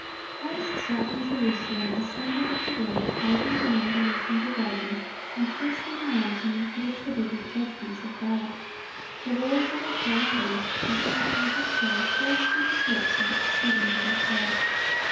"(22) Christ saw in Jerusalem a symbol of the world hardened in unbelief and rebellion, and hastening on to meet the retributive judgments of God. The woes of a fallen race, pressing upon His soul, forced from His lips that exceeding bitter cry.